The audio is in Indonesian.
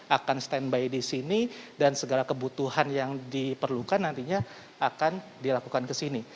akan stand by di sini dan segala kebutuhan yang diperlukan nantinya akan dilakukan ke sini